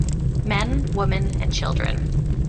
Men, women and children.